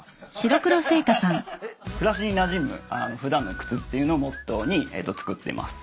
暮らしになじむ普段の靴っていうのをモットーに作っています。